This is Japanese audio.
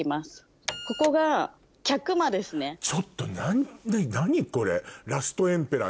ちょっと何これ。